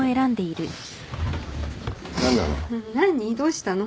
どうしたの？